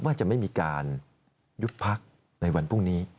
ว่าจะไม่มีการยุบพักในวันพรุ่งนี้